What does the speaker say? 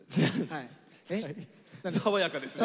はい爽やかですね。